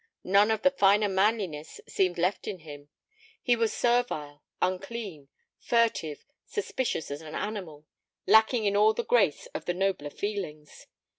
None of the finer manliness seemed left in him: he was servile, unclean, furtive, suspicious as an animal, lacking in all the grace of the nobler feelings.